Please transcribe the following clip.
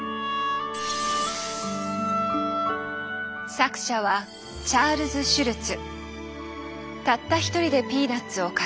作者はたった一人で「ピーナッツ」を描き続け